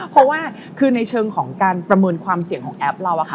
เพราะว่าคือในเชิงของการประเมินความเสี่ยงของแอปเรา